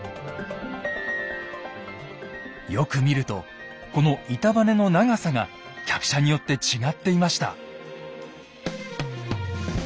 よく見るとこの板バネの長さが客車によって違っていました。